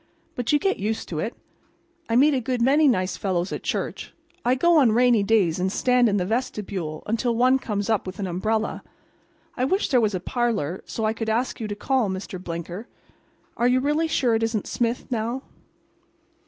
But you get used to it. I meet a good many nice fellows at church. I go on rainy days and stand in the vestibule until one comes up with an umbrella. I wish there was a parlor, so I could ask you to call, Mr. Blinker—are you really sure it isn't 'Smith,' now?"